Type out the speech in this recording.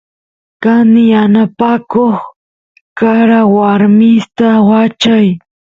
candi yanapakoq karawarmista wachay